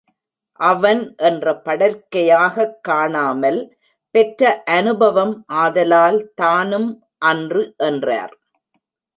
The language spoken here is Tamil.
அவன் என்ற படர்க்கையாகக் காணாமல் பெற்ற அநுபவம் ஆதலால் தானும் அன்று என்றார்.